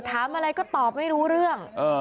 ถามอะไรก็ตอบไม่รู้เรื่อง